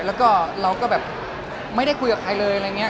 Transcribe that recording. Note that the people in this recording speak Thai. แล้วก็เราก็แบบไม่ได้คุยกับใครเลยอะไรอย่างนี้